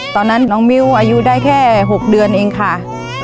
ตอนนั้นน้องมิ้วอายุได้แค่๖เดือนเองค่ะ